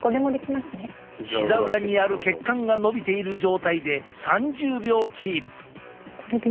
ひざ裏にある血管がのびている状態で３０秒キープ！